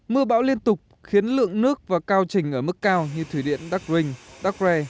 mưa bão liên tục khiến lượng nước và cao trình ở mức cao như thủy điện đắc rinh đắk rè